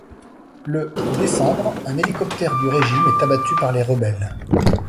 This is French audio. Le décembre, un hélicoptère du régime est abattu par les rebelles.